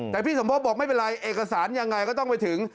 แต่พี่สมพบบอกไม่เป็นไรเอกสารยังไงก็ต้องไปถึง